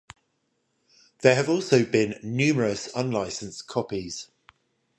There have also been numerous unlicensed copies.